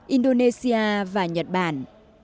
indonesia và nhật bản